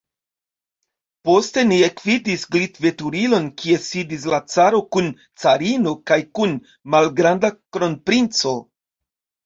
Poste ni ekvidis glitveturilon, kie sidis la caro kun carino kaj kun malgranda kronprinco.